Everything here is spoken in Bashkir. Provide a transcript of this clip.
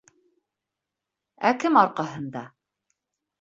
Ә кем арҡаһында?